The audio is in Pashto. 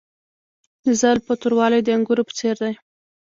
د زلفو توروالی د انګورو په څیر دی.